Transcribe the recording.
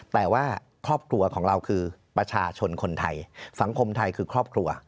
แต่ว่าครอบครัวของเราคือประชาชนคนไทยสังคมไทยคือครอบครัว